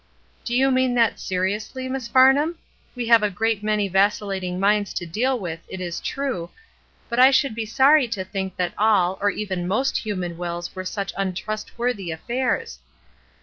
''Do you mean that seriously, Miss Farnham? We have a great many vacillating minds to deal with, it is true, but I should be sorry to think that all, or even most human wills were such untrustworthy affairs.